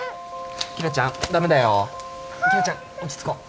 紀來ちゃん落ち着こう。